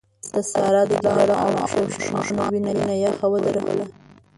د سارا د ګيدړانو او شرموښانو وينه يخ ودروله.